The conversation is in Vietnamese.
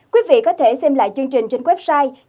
quý vị có thể xem lại chương trình trên website